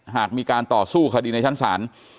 หากมีการต่อสู้คดีในชั้นศาล